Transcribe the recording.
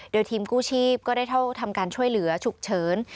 โดยทีมกู้ชีพก็ได้เท่าทำการช่วยเหลือฉุกเฉิน